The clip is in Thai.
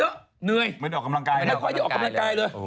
เหนื่อยไม่ได้ออกกำลังกายเลยไม่ค่อยได้ออกกำลังกายเลย